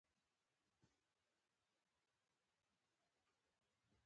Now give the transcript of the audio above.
لږ څاڅکي ور ورسېږي، خټې جوړېږي، ملک ملامت نه و.